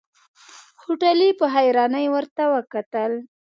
هوټلي په حيرانۍ ورته وکتل.